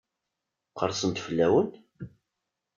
Qersen-d fell-awen?